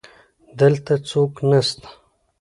دلته څوک نسته